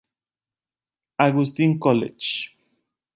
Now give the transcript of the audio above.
Augustine College.